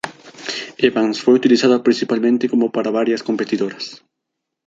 Evans fue utilizada principalmente como para varias competidoras.